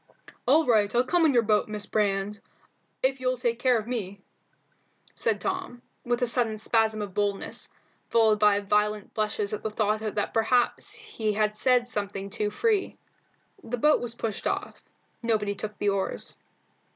"All right, I'll come in your boat, Miss Brand, if you'll take care of me," said Tom, with a sudden spasm of boldness, followed by violent blushes at the thought that perhaps be had said something too free. The boat was pushed off. Nobody took the oars.